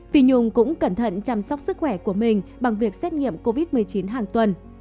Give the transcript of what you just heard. phi nhung cũng cẩn thận chăm sóc sức khỏe của mình bằng việc xét nghiệm covid một mươi chín hàng tuần